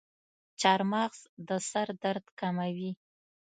چارمغز د سر درد کموي.